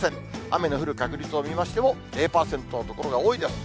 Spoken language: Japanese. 雨の降る確率を見ましても、０％の所が多いです。